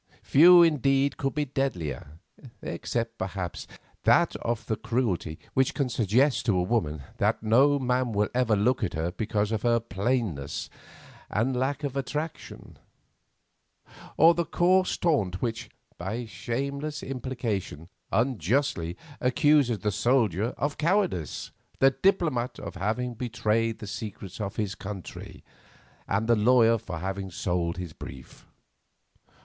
Few indeed could be deadlier, except, perhaps, that of the cruelty which can suggest to a woman that no man will ever look at her because of her plainness and lack of attraction; or the coarse taunt which, by shameless implication, unjustly accuses the soldier of cowardice, the diplomat of having betrayed the secrets of his country, or the lawyer of having sold his brief.